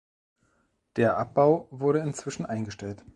Der Abbau wurde inzwischen eingestellt.